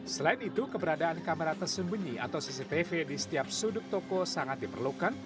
selain itu keberadaan kamera tersembunyi atau cctv di setiap sudut toko sangat diperlukan